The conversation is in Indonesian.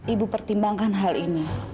ibu pertimbangkan hal ini